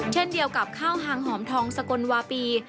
เช่นเดียวกับข้าวหางหอมทองสกลวาปี